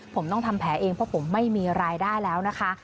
ผมต้องทำแผลเองเพราะผมไม่มีรายได้แล้วนะคะ